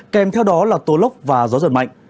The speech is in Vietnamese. kèm theo đó là tố lốc và gió giật mạnh